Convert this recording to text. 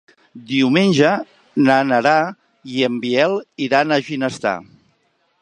Diumenge na Nara i en Biel iran a Ginestar.